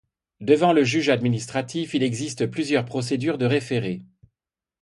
Devant le juge administratif, il existe plusieurs procédures de référé.